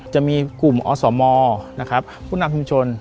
จะมีกลุ่มอสมผู้นำชุมชน